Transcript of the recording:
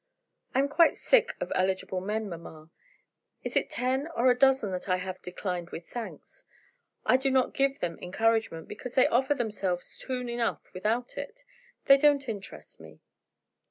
"I'm quite sick of eligible men, mamma. Is it ten or a dozen that I have 'declined with thanks?' I do not give them encouragement because they offer themselves soon enough without it. They don't interest me."